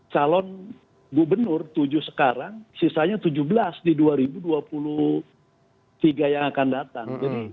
calon gubernur tujuh sekarang sisanya tujuh belas di dua ribu dua puluh tiga yang akan datang